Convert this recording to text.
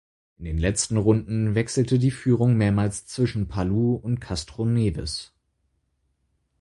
In den letzten Runden wechselte die Führung mehrmals zwischen Palou und Castroneves.